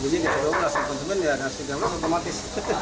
jadi dua belas langsung konsumen ya tiga belas otomatis